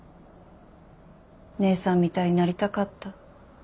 姉さんみたいになりたかった。